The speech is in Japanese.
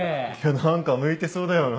何か向いてそうだよな。